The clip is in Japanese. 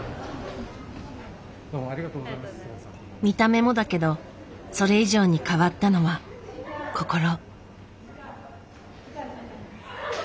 見た目もだけどそれ以上に変わったのは心。